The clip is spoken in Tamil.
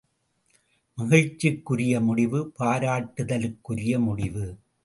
மகிழ்ச்சிக்குரிய முடிவு பாராட்டுதலுக்குரிய முடிவு.